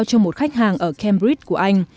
và được giao cho một khách hàng ở cambridge của anh